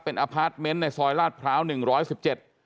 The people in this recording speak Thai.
เป็นอพาร์ทเมนต์ในซอยลาดพร้าวหนึ่งร้อยสิบเจ็ด